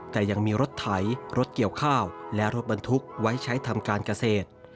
แต่ยังมีรถไถรถเกี่ยวข้าวและรถบรรทุกไว้ใช้ทำการเกษตร